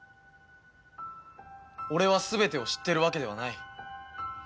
俺は全てを知っているわけではない。